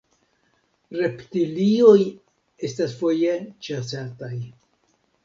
Reptilioj estas foje ĉasataj.